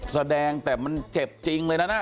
แสดงแต่มันเจ็บจริงเลยนะ